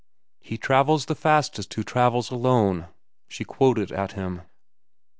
"'He travels the fastest who travels alone,'" she quoted at him.